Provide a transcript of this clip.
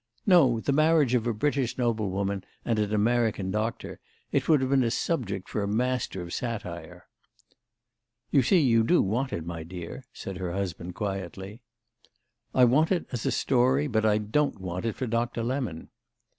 "No; the marriage of a British noblewoman and an American doctor. It would have been a subject for a master of satire." "You see you do want it, my dear," said her husband quietly. "I want it as a story, but I don't want it for Doctor Lemon."